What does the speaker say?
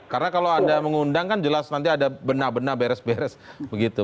karena kalau anda mengundang kan jelas nanti ada benah benah beres beres begitu